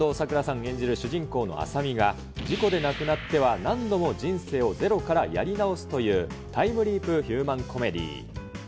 演じる主人公の麻美が、事故で亡くなっては何度も人生をゼロからやり直すという、タイムリープ・ヒューマン・コメディー。